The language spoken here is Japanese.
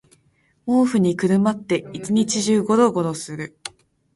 毛布にくるまって一日中ゴロゴロする